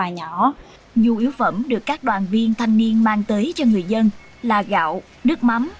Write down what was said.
nhu yếu phẩm được các đoàn viên thanh niên mang tới cho người dân là gạo nước mắm